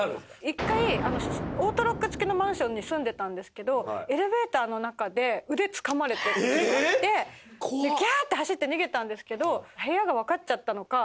一回オートロック付きのマンションに住んでたんですけどエレベーターの中で腕つかまれてっていうのがあってキャーって走って逃げたんですけど部屋がわかっちゃったのか